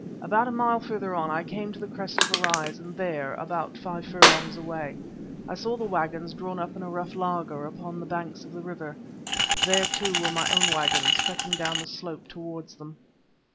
About a mile further on I came to the crest of a rise, and there, about five furlongs away, I saw the waggons drawn up in a rough laager upon the banks of the river. There, too, were my own waggons trekking down the slope towards them.